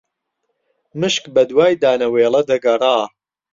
مشک بەدوای دانەوێڵە دەگەڕا